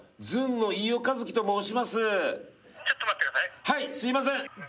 あのはいすいませんっ